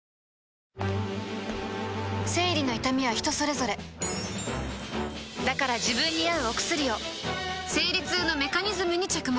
生理の痛みは人それぞれだから自分に合うお薬を生理痛のメカニズムに着目